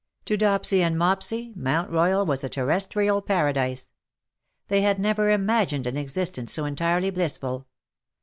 To Dopsy and Mopsy Mount Royal was a terrestrial paradise. They had never imagined an existence so entirely blissful.